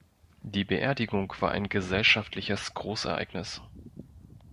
Die Beerdigung war ein gesellschaftliches Großereignis.